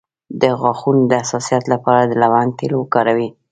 د غاښونو د حساسیت لپاره د لونګ تېل وکاروئ